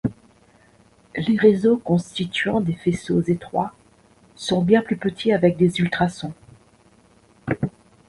Les réseaux constituant des faisceaux étroits sont bien plus petits avec des ultrasons.